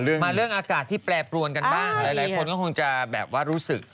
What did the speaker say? มาเรื่องอากาศที่แปรปรวนกันบ้างหลายคนก็คงจะแบบว่ารู้สึก